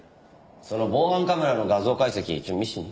その防犯カメラの画像解析ちょっと見せてみ。